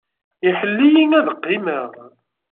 Iḥell-iyi ad qqimeɣ.